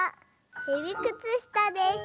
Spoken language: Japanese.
へびくつしたです。